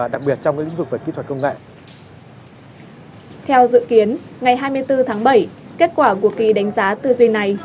theo dự kiến ngày hai mươi bốn tháng bảy kết quả của kỳ đánh giá tư duy này